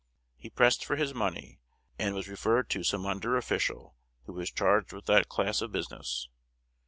He pressed for his money, and was referred to some under official who was charged with that class of business.